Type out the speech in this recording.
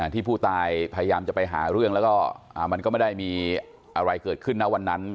ที่ผู้ตายพยายามจะไปหาเรื่องแล้วก็มันก็ไม่ได้มีอะไรเกิดขึ้นนะวันนั้น